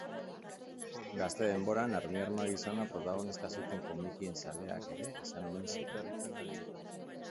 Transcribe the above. Gazte denboran armiarma gizona protagonista zuten komikien zaleak ere izan omen ziren.